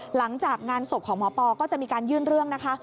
หลังจากงานศพของหมอปอก็จะมีการยื่นเรื่องนะคะ